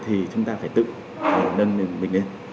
thì chúng ta phải tự nâng mình lên